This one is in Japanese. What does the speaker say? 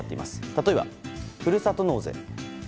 例えば、ふるさと納税。